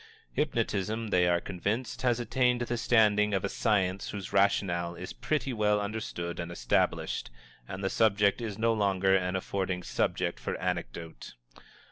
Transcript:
Hypnotism, they are convinced, has attained the standing of a science whose rationale is pretty well understood and established, and the subject is no longer an affording subject for anecdote.